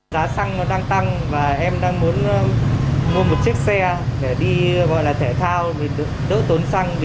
giá xăng đang tăng và em đang muốn mua một chiếc xe để đi thể thao đỡ tốn xăng